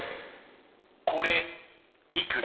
［これ幾ら？］